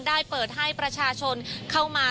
ได้เปิดให้ประชาชนเข้ามา